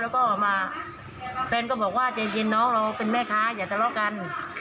แล้วก็มาแฟนก็บอกว่าใจเย็นน้องเราเป็นแม่ค้าอย่าทะเลาะกัน